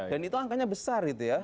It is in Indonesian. dan itu angkanya besar gitu ya